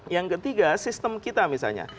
yang ketiga sistem kita misalnya